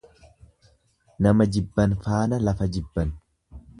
Nama jibban faana lafa jibban.